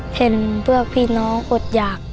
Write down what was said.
เห็นพวกพี่น้องอดหยาก